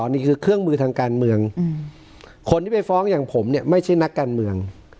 นี่คือเครื่องมือทางการเมืองคนที่ไปฟ้องอย่างผมเนี่ยไม่ใช่นักการเมือง